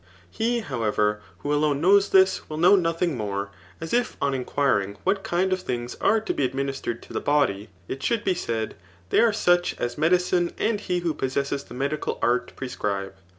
He, how ever, who alone knows this, will know nothing more; as, if on inquiring what kind of things are to be administered to the body, it should be said, they are such as medicine and he who possesses the medical art prescribe.